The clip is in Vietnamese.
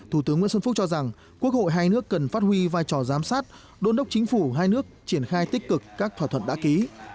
thủ tướng nguyễn xuân phúc cho rằng quốc hội hai nước cần phát huy vai trò giám sát đôn đốc chính phủ hai nước triển khai tích cực các thỏa thuận đã ký